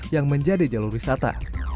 yang menjadi jalur wisata